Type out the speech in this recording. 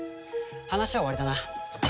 話は終わりだな。